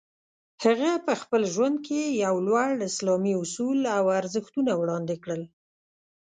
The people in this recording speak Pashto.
هغه په خپل ژوند کې یو لوړ اسلامي اصول او ارزښتونه وړاندې کړل.